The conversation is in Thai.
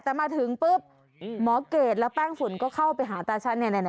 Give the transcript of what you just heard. แต่มาถึงปุ๊บหมอเกรดและแป้งฝุ่นก็เข้าไปหาตาฉัน